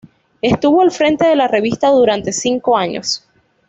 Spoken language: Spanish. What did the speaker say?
Estuvo al frente de la revista durante cinco años.